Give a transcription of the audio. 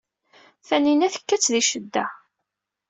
Tanina tekka-tt di ccedda.